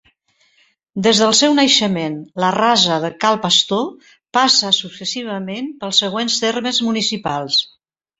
Des del seu naixement, la Rasa de Cal Pastor passa successivament pels següents termes municipals.